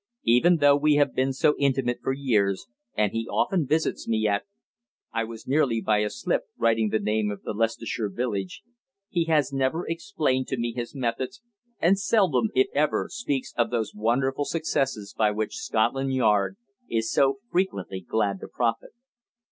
Even though we have been so intimate for years, and he often visits me at I was nearly, by a slip, writing the name of the Leicestershire village he has never explained to me his methods, and seldom, if ever, speaks of those wonderful successes by which Scotland Yard is so frequently glad to profit.